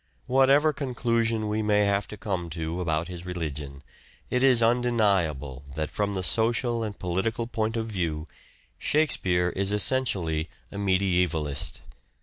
Whatever conclusion we may have to come to about his religion, it is undeniable that, from the social and political point of view, Shakespeare is essentially a medievalist.